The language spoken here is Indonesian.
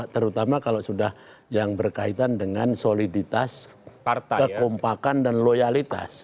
terutama kalau sudah yang berkaitan dengan soliditas kekompakan dan loyalitas